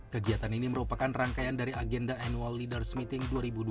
kegiatan ini merupakan rangkaian dari agenda annual leaders meeting dua ribu dua puluh